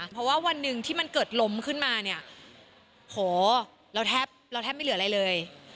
เพราะว่าวันนึงที่มันเกิดลมขึ้นมาหัวเราแทบไม่เหลือเลย